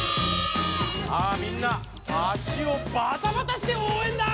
さあみんな足をバタバタしておうえんだ！